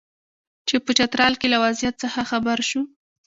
چې په چترال کې له وضعیت څخه خبر شو.